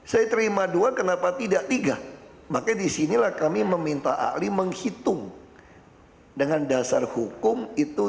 saya terima dua kenapa tidak tiga maka disinilah kami meminta ahli menghitung dengan dasar hukum itu